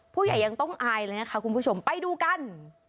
ผู้ใหญ่ยังต้องอายเลยนะคะคุณผู้ชมไปดูกัน